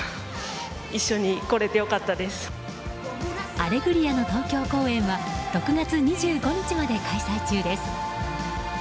「アレグリア」の東京公演は６月２５日まで開催中です。